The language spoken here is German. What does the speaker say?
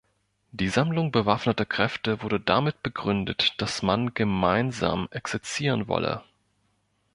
Die Sammlung bewaffneter Kräfte wurde damit begründet, dass man gemeinsam exerzieren wolle.